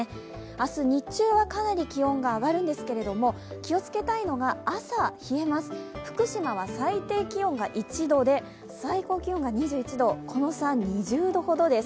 明日、日中はかなり気温が上がるんですけど気をつけたいのが朝、冷えます、福島は最低気温が１度で最高気温が２１度、この差２０度ほどです。